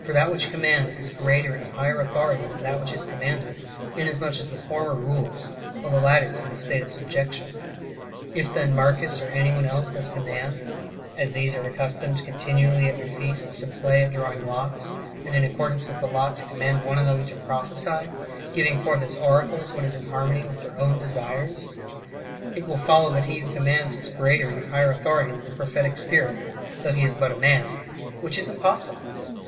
For that which commands is greater and of higher authority than that which is commanded, in 54 IBENJSUS AGAINST HERESIES. [Book i. asmucli as the former rules, while the latter is in a state of subjection. If, then, Marcus, or any one else, does com mand,— as these are accustomed continually at their feasts to play at drawing lots, and [in accordance with the lot] to command one another to prophesy, giving forth as oracles what is in harmony with their own desires, — it will follow that he who commands is greater and of higher authority than the prophetic spirit, though he is but a man, which is impossible.